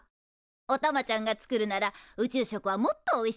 おたまちゃんが作るなら宇宙食はもっとおいしくなるわね。